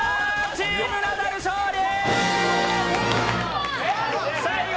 チームナダル勝利！